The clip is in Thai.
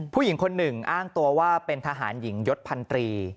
ผู้หญิงคนหนึ่งอ้างตัวว่าเป็นทหารหญิงยศพันตรี